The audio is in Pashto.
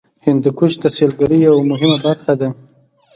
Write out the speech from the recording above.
هندوکش د سیلګرۍ یوه مهمه برخه ده.